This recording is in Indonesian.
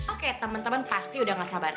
oke teman teman pasti sudah tidak sabar